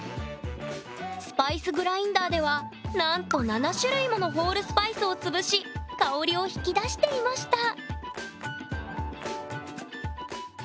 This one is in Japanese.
スパイスグラインダーではなんと７種類ものホールスパイスを潰し香りを引き出していました